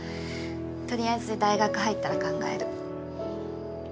とりあえず大学入ったら考える。